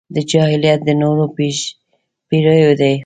دا جاهلیت د نورو پېړيو دی.